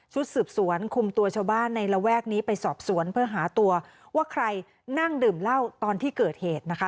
สืบสวนคุมตัวชาวบ้านในระแวกนี้ไปสอบสวนเพื่อหาตัวว่าใครนั่งดื่มเหล้าตอนที่เกิดเหตุนะคะ